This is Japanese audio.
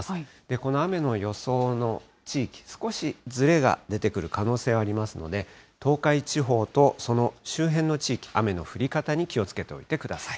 この雨の予想の地域、少しずれが出てくる可能性ありますので、東海地方とその周辺の地域、雨の降り方に気をつけておいてください。